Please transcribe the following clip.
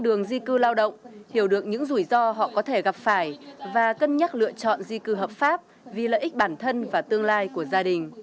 đường di cư lao động hiểu được những rủi ro họ có thể gặp phải và cân nhắc lựa chọn di cư hợp pháp vì lợi ích bản thân và tương lai của gia đình